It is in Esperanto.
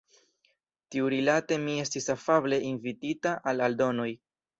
Tiurilate mi estis afable invitita al aldonoj.